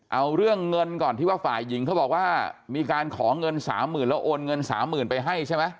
เอาเรื่องเงินก่อนที่ว่าฝ่ายหญิงเขาบอกว่ามีการขอเงินสามหมื่นแล้วโอนเงินสามหมื่นไปให้ใช่ไหม